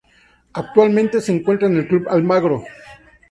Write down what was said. Actualmente se encuentra en el Club Almagro.